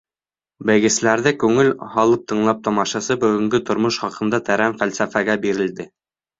Бәйгеселәрҙе күңел һалып тыңлап, тамашасы бөгөнгө тормош хаҡында тәрән фәлсәфәгә бирелде.